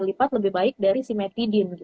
lipat lebih baik dari simetidin